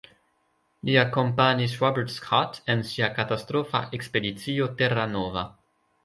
Li akompanis Robert Scott en sia katastrofa Ekspedicio Terra Nova.